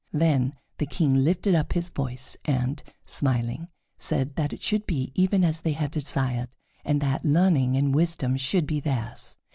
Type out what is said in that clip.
Then the King lifted up his voice and, smiling, said that it should be even as they had desired, and that learning and wisdom should be theirs.